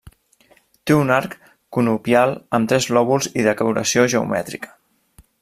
Té un arc conopial amb tres lòbuls i decoració geomètrica.